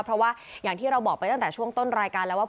เพราะว่าอย่างที่เราบอกไปตั้งแต่ช่วงต้นรายการแล้วว่า